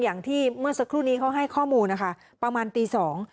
อย่างที่เมื่อสักครู่นี้เขาให้ข้อมูลนะคะประมาณตีสอง